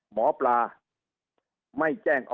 หมอปลา